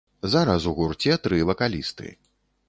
Зараз ў гурце тры вакалісты.